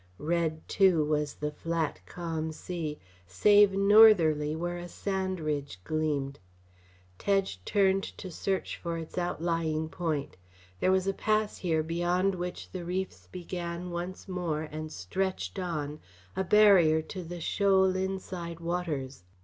Red, too, was the flat, calm sea, save northerly where a sand ridge gleamed. Tedge turned to search for its outlying point. There was a pass here beyond which the reefs began once more and stretched on, a barrier to the shoal inside waters.